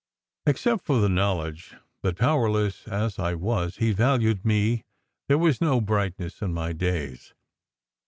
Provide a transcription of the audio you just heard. Except for the knowledge that, powerless as I was, he valued me, there was no brightness in my days.